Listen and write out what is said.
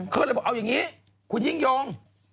เขาเลยบอกเอาอย่างนี้คุณยิ่งยง